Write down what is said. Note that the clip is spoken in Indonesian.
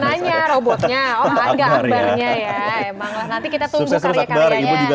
nanti kita tunggu karyakannya